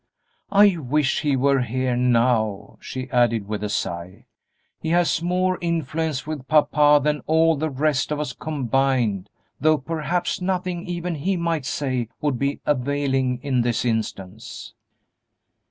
I wish he were here now," she added, with a sigh; "he has more influence with papa than all the rest of us combined, though perhaps nothing even he might say would be availing in this instance."